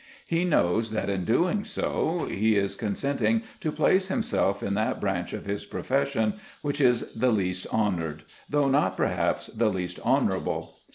He knows that in doing so he is consenting to place himself in that branch of his profession which is the least honoured, though not perhaps the least honourable.